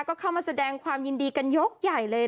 ก็เข้ามาแสดงความยินดีกันยกใหญ่เลย